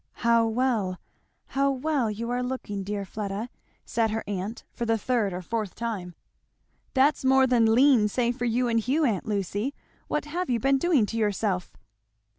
"How well how well you are looking, dear Fleda!" said her aunt for the third or fourth time. "That's more than lean say for you and Hugh, aunt Lucy. What have you been doing to yourself?"